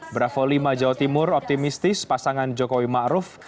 bravo lima jawa timur optimistis pasangan jokowi ma'ruf